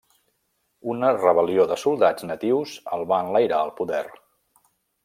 Una rebel·lió de soldats natius el va enlairar al poder.